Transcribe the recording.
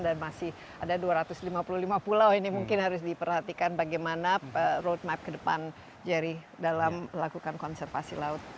dan masih ada dua ratus lima puluh lima pulau ini mungkin harus diperhatikan bagaimana road map kedepan jerry dalam melakukan konservasi laut